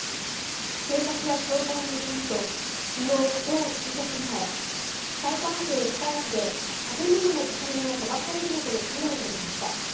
警察や消防によりますと昨日午後７時半前埼玉県深谷市で建物のトタンが飛ばされるなどの被害が出ました。